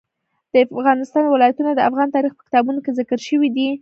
د افغانستان ولايتونه د افغان تاریخ په کتابونو کې ذکر شوی دي.